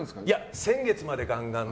先月までガンガンで。